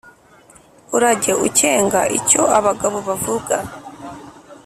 Urajye ukenga icyo abagabo bavuga".